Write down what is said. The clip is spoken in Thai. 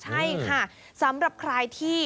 ใช่ค่ะสำหรับใครที่